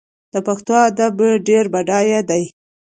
د پښتو ادب ډېر بډایه دی.